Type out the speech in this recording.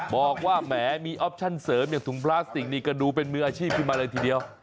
บอกว่าแหมมีออปชั่นเสริมอย่างถุงพลาสติกนี่ก็ดูเป็นมืออาชีพขึ้นมาเลยทีเดียว